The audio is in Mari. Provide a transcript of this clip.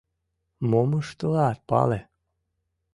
Мом ыштылат, пале.